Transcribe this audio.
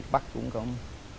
bắt cũng không